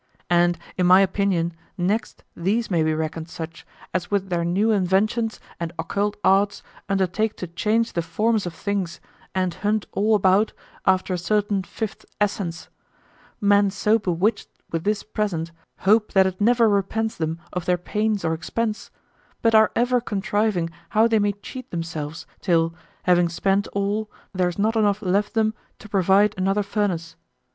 And, in my opinion, next these may be reckoned such as with their new inventions and occult arts undertake to change the forms of things and hunt all about after a certain fifth essence; men so bewitched with this present hope that it never repents them of their pains or expense, but are ever contriving how they may cheat themselves, till, having spent all, there is not enough left them to provide another furnace.